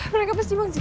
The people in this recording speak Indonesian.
mereka pasti bangkit